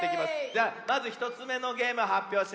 ではまず１つめのゲームはっぴょうします。